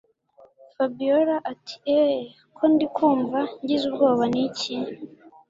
Fabiora ati eehh ko ndikumva ngize ubwoba niki